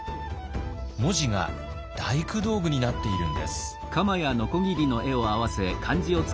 文字が大工道具になっているんです。